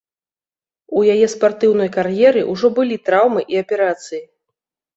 У яе спартыўнай кар'еры ўжо былі траўмы і аперацыі.